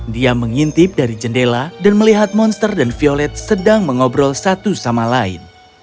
dia mengintip dari jendela dan melihat monster dan violet sedang mengobrol satu sama lain